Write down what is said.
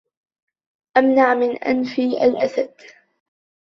أمنع من أنف الأسد